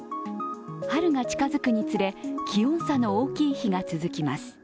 春が近づくにつれ気温差の大きい日が続きます。